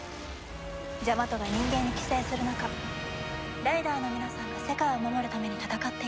ジャマトが人間に寄生する中ライダーの皆さんが世界を守るために戦っていた。